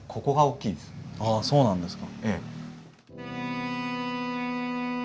ああそうなんですか。